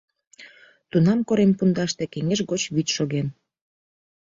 — Тунам корем пундаште кеҥеж гоч вӱд шоген.